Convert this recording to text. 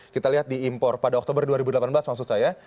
kita lihat di impor pada oktober dua ribu delapan belas maksud saya